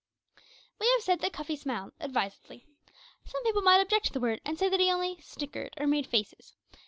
We have said that Cuffy smiled, advisedly. Some people might object to the word, and say that he only "snickered," or made faces.